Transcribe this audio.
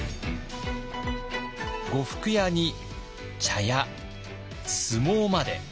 呉服屋に茶屋相撲まで。